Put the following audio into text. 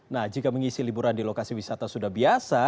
nah jika mengisi liburan di lokasi wisata sudah biasa